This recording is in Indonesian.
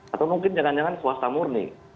atau mungkin jangan jangan swasta murni